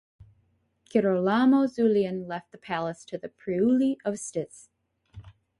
Girolamo Zulian left the palace to the Priuli of Sts.